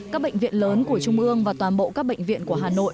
các bệnh viện lớn của trung ương và toàn bộ các bệnh viện của hà nội